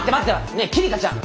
ねえ希梨香ちゃん！